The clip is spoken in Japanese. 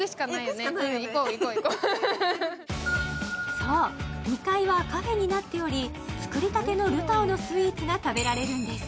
そう、２階はカフェになっており作りたてのルタオのスイーツが食べられるんです。